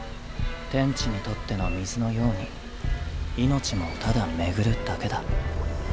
天地にとっての水のように命もただ巡るだけだ。